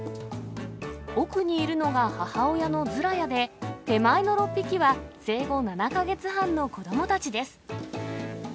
奥にいるのが母親のズラヤで、手前の６匹は生後７か月半の子どもたちです。